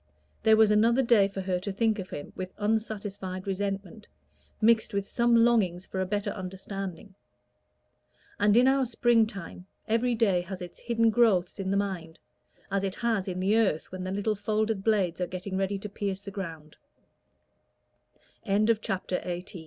There was another day for her to think of him with unsatisfied resentment, mixed with some longings for a better understanding: and in our spring time every day has its hidden growths in the mind, as it has in the earth when the little folded blades are getting ready to pierce the ground. CHAPTER XIX. Consistency?